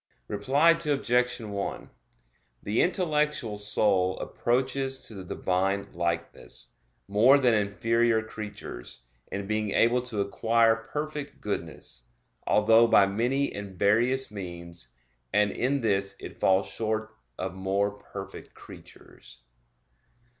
Reply Obj. 1: The intellectual soul approaches to the Divine likeness, more than inferior creatures, in being able to acquire perfect goodness; although by many and various means; and in this it falls short of more perfect creatures.